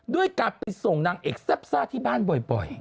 ด้วยการไปส่งนางเอกแซ่บซ่าที่บ้านบ่อย